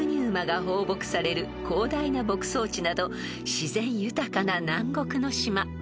［自然豊かな南国の島］